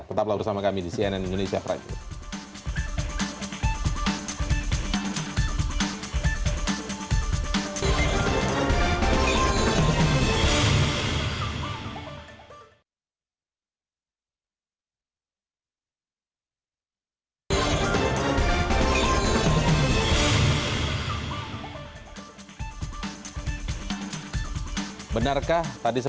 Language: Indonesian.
tetaplah bersama kami di cnn indonesia pride